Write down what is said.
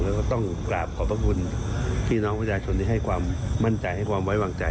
แล้วก็ต้องกราบขอบพระคุณพี่น้องประชาชนที่ให้ความมั่นใจให้ความไว้วางใจ